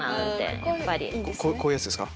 こういうやつですか？